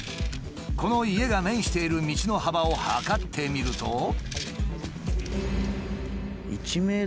この家が面している道の幅を測ってみると。